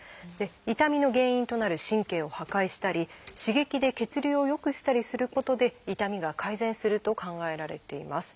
痛みの原因となる神経を破壊したり刺激で血流を良くしたりすることで痛みが改善すると考えられています。